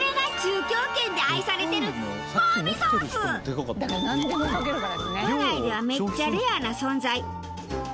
これが都内ではめっちゃレアな存在。